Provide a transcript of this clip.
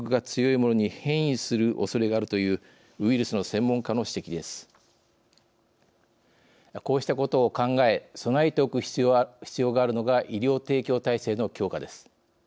こうしたことを考え備えておく必要があるのが医療提供体制の強化です。